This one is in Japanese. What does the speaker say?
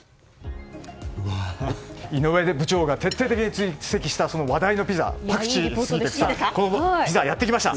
井上部長が徹底的に追跡した話題のピザ、パクチーすぎて草がやってきました。